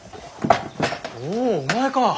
おおお前か！